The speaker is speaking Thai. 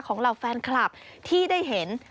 เหล่าแฟนคลับที่ได้เห็น